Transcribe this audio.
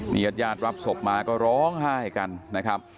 เนียดรับศพมาก็ร้องไห้กันนะครับ